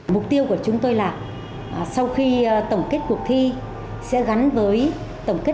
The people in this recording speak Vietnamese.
mục tiêu của chúng tôi là sau khi tổng kết cuộc thi sẽ gắn với tổng kết